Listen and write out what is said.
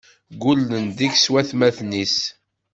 Ggullen deg-s watmaten-is.